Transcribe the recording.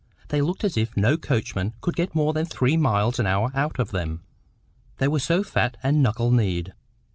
They looked as if no coachman could get more than three miles an hour out of them, they were so fat and knuckle kneed.